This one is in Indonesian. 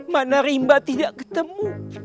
mana rimba tidak ketemu